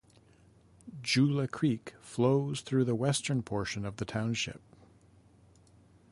Joula Creek flows through the western portion of the township.